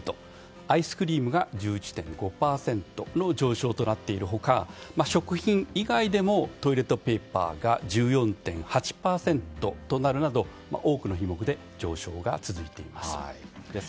アイスクリームが１１．５％の上昇となっている他食品以外でもトイレットペーパーが１４．８％となるなど多くの品目で上昇が続いています。